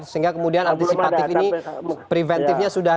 sehingga kemudian antisipatif ini preventifnya sudah